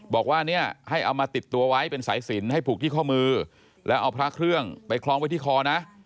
บอกว่าเนี่ยให้เอามาติดตัวไว้เป็นสายสินให้ผูกที่ข้อมือแล้วเอาพระเครื่องไปคล้องไว้ที่คอนะ